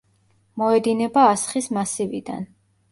მოედინება ასხის მასივიდან.